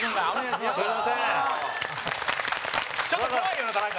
陣内：ちょっと怖いよな、田中。